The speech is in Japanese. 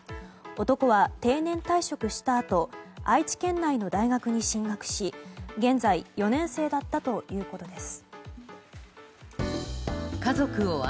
男は定年退職したあと愛知県内の大学に進学し現在４年生だったということです。